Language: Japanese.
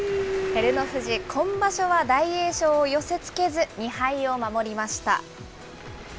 照ノ富士、今場所は大栄翔を寄せつけず、２敗を守りました。